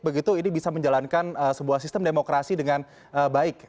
begitu ini bisa menjalankan sebuah sistem demokrasi dengan baik